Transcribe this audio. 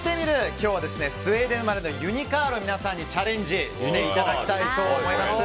今日はスウェーデン生まれのユニカールを皆さんにチャレンジしていただきたいと思います。